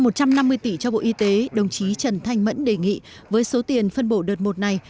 trao một trăm năm mươi tỷ cho bộ y tế đồng chí trần thanh mẫn đề nghị với số tiền phân bổ đợt một này